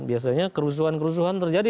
biasanya kerusuhan kerusuhan terjadi